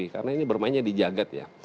karena ini bermainnya di jagad ya